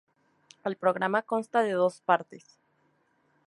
El Programa consta de dos partes.